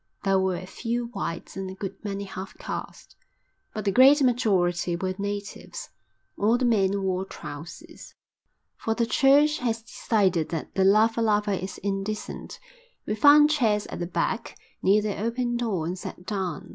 There were a few whites and a good many half castes, but the great majority were natives. All the men wore trousers, for the Church has decided that the lava lava is indecent. We found chairs at the back, near the open door, and sat down.